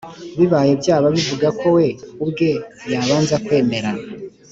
bibaye byaba bivuga ko we ubwe yabanza kwemera